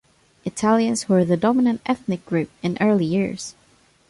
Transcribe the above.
Italians were the dominant ethnic group in early years.